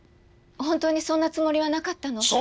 本当にそんなつもりはなかったの。